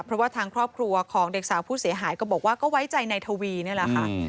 เพราะว่าทางครอบครัวของเด็กสาวผู้เสียหายก็บอกว่าก็ไว้ใจในทวีนี่แหละค่ะ